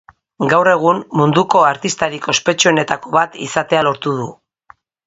Gaur egun, munduko artistarik ospetsuenetako bat izatea lortu du.